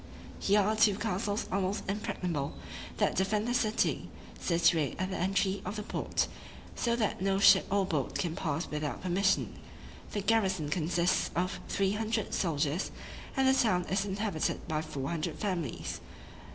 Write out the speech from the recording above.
Here are two castles almost impregnable, that defend the city, situate at the entry of the port, so that no ship or boat can pass without permission. The garrison consists of three hundred soldiers, and the town is inhabited by four hundred families.